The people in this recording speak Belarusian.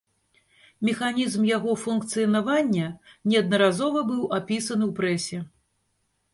Механізм яго функцыянавання неаднаразова быў апісаны ў прэсе.